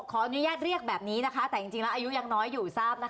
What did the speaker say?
ขออนุญาตเรียกแบบนี้นะคะแต่จริงแล้วอายุยังน้อยอยู่ทราบนะคะ